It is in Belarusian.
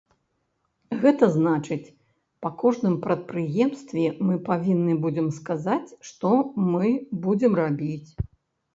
Гэта значыць па кожным прадпрыемстве мы павінны будзем сказаць, што мы будзем рабіць.